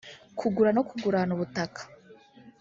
kugura no kugurana ubutaka